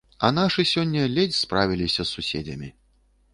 А нашы сёння ледзь справіліся з суседзямі.